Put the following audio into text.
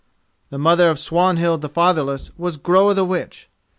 The mother of Swanhild the Fatherless was Groa the Witch.